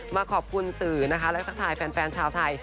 มาขอบคุณสื่อนะคะและทักทายแฟนชาวไทย